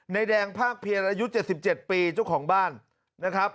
แดงภาคเพียรอายุ๗๗ปีเจ้าของบ้านนะครับ